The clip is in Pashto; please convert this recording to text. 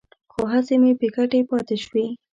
خو هڅې مې بې ګټې پاتې شوې.